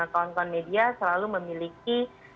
kawan kawan media selalu memiliki